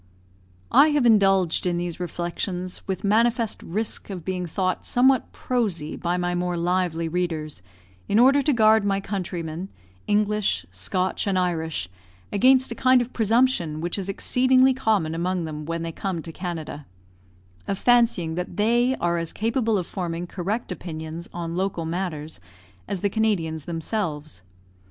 I have indulged in these reflections, with manifest risk of being thought somewhat prosy by my more lively readers, in order to guard my countrymen, English, Scotch, and Irish, against a kind of presumption which is exceedingly common among them when they come to Canada of fancying that they are as capable of forming correct opinions on local matters as the Canadians themselves.